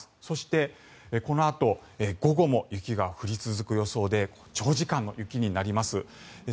そして、このあと午後も雪が降り続く予想で長時間の雪になります。